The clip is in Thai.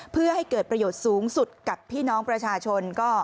เพื่อให้เกิดประโยชน์สูงสุดกับพี่น้องประชาชน